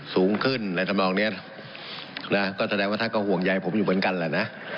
สูงขึ้นอะไรทำนองเนี้ยนะก็แสดงว่าท่านก็ห่วงใยผมอยู่เหมือนกันแหละนะ